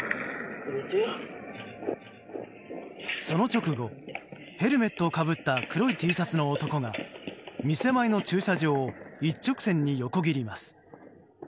その直後、ヘルメットをかぶった黒いＴシャツの男が店前の駐車場を一直線に横切ります。